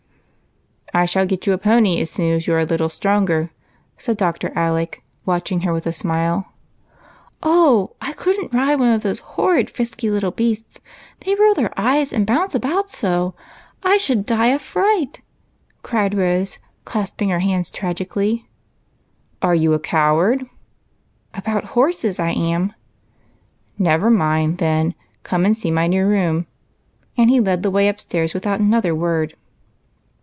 " I shall get you a pony as soon as you are a little stronger," said Dr. Alec, watching her with a smile. " Oh, I could n't ride one of those horrid, frisky little beasts ! They roll their eyes and bounce about so, I should die of fright," cried Rose, clasping her hands tragically. " Are you a coward ?"" About horses I am." " Never mind, then ; come and see my new room ;" and he led the way upstairs without another word.